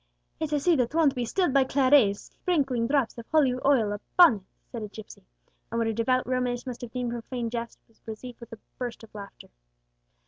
"It's a sea that won't be stilled by Claret's sprinkling drops of holy oil upon it!" said a gipsy; and what a devout Romanist must have deemed a profane jest, was received with a burst of laughter.